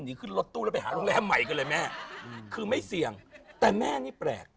ขึ้นรถตู้แล้วไปหาโรงแรมใหม่กันเลยแม่คือไม่เสี่ยงแต่แม่นี่แปลก